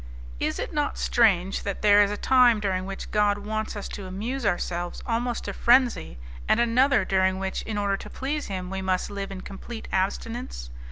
Is it not strange that there is a time during which God wants us to amuse ourselves almost to frenzy, and another during which, in order to please Him, we must live in complete abstinence?